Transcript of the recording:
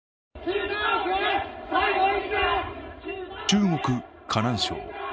中国河南省。